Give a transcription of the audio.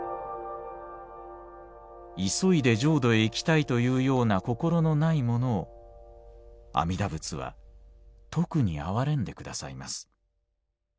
「急いで浄土へ行きたいというような心のないものを阿弥陀仏はとくに憐れんでくださいます。